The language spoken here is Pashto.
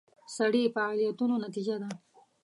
سړي فعالیتونو نتیجه ده.